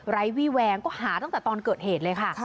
วี่แวงก็หาตั้งแต่ตอนเกิดเหตุเลยค่ะ